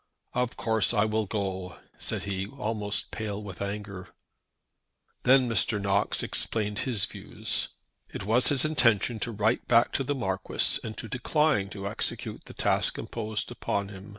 "Of course I will go," said he, almost pale with anger. Then Mr. Knox explained his views. It was his intention to write back to the Marquis and to decline to execute the task imposed upon him.